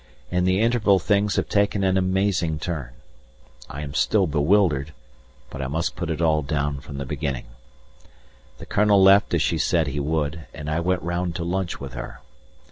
In the interval things have taken an amazing turn. I am still bewildered but I must put it all down from the beginning. The Colonel left as she said he would, and I went round to lunch with her.